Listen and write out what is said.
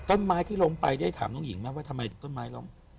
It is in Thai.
ต้นไม้ที่ล้มไปได้ถามน้องหญิงไหมว่าทำไมต้นไม้ล้ม